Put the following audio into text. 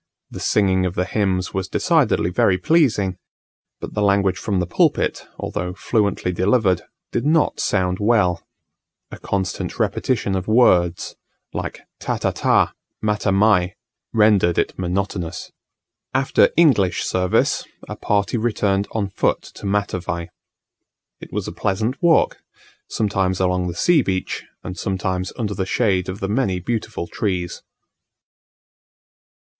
The singing of the hymns was decidedly very pleasing, but the language from the pulpit, although fluently delivered, did not sound well: a constant repetition of words, like "tata ta, mata mai," rendered it monotonous. After English service, a party returned on foot to Matavai. It was a pleasant walk, sometimes along the sea beach and sometimes under the shade of the many beautiful trees.